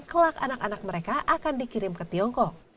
kelak anak anak mereka akan dikirim ke tiongkok